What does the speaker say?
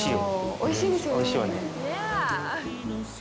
おいしいですよね。